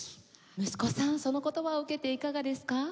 息子さんその言葉を受けていかがですか？